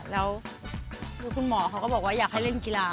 แล้วคือคุณหมอเขาก็บอกว่าอยากให้เล่นกีฬา